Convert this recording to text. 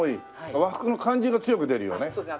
和服の感じが強く出るよね。